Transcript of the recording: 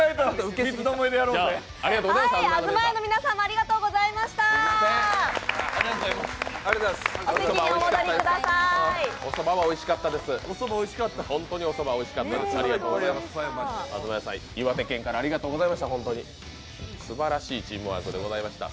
東家さん、岩手県からありがとうございました。